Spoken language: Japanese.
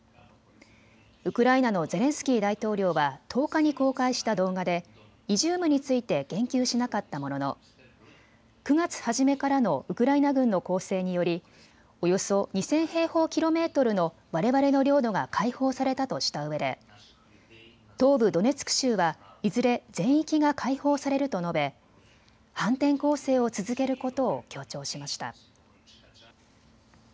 ウクライナのゼレンスキー大統領は１０日に公開した動画でイジュームについて言及しなかったものの９月初めからのウクライナ軍の攻勢によりおよそ２０００平方キロメートルのわれわれの領土が解放されたとしたうえで東部ドネツク州はいずれ全域が解放されると述べ、反転攻勢を続けることを強調しました。